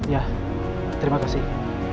ya terima kasih